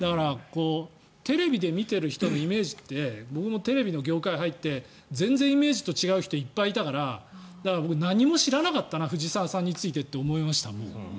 テレビで見てる人のイメージって僕もテレビの業界に入って全然イメージと違う人いっぱいいたから僕、何も知らなかったな藤澤さんについてって思いました。